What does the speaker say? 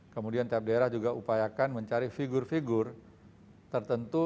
kemudian tiap daerah juga upayakan mencari figur figur tertentu